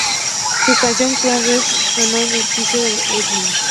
Su canción "Clowns Like Candy" sonó en un episodio de "Ed".